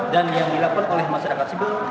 dan yang dilakukan oleh masyarakat sibil